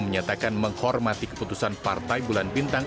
menyatakan menghormati keputusan partai bulan bintang